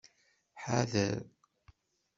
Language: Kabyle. Ḥader.